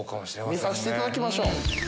見させていただきましょう。